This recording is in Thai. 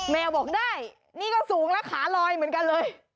แมวบอกได้นี่ก็สูงแล้วขาลอยเหมือนกันเลย